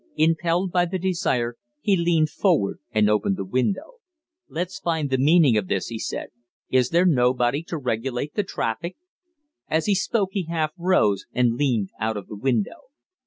Impelled by the desire, he leaned forward and opened the window. "Let's find the meaning of this," he said. "Is there nobody to regulate the traffic?" As he spoke he half rose and leaned out of the window.